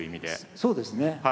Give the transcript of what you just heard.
そうですね。